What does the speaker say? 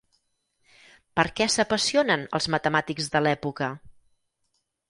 Per què s'apassionen els matemàtics de l'època?